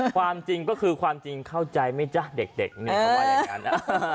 ความจริงก็คือความจริงเข้าใจไหมจ๊ะเด็กนี่เขาว่าอย่างนั้น